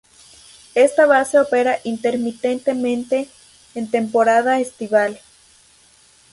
Esta base opera intermitentemente en temporada estival.